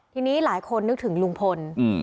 ทีนี้หลายคนนึกถึงลุงพล